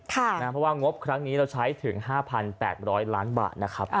เพราะว่างบครั้งนี้เราใช้ถึง๕๘๐๐ล้านบาทนะครับ